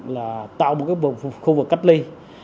là tạo một khu vực cách ly